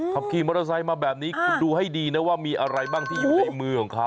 ขับขี่มอเตอร์ไซค์มาแบบนี้คุณดูให้ดีนะว่ามีอะไรบ้างที่อยู่ในมือของเขา